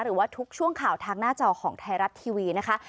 หรือว่าทุกช่วงข่าวทางหน้าจอของไทยรัฐทีวีนะคะ